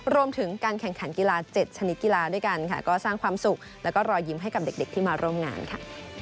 รวมถึงการแข่งขันกีฬา๗ชนิดกีฬาด้วยกันค่ะก็สร้างความสุขแล้วก็รอยยิ้มให้กับเด็กที่มาร่วมงานค่ะ